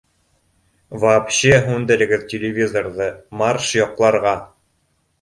Вообще һүндерегеҙ телевизорҙы, марш йоҡларға!